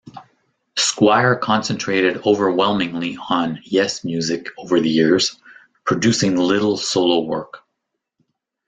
Squire concentrated overwhelmingly on Yes' music over the years, producing little solo work.